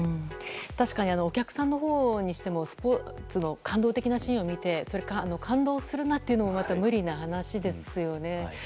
確かにお客さんのほうにしてもスポーツの感動的なシーンを見て感動するなというのもまた無理な話ですよね。